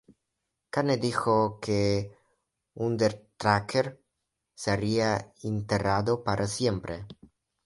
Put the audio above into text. Kane dijo que Undertaker sería enterrado para siempre.